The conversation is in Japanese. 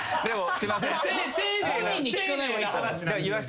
すいません。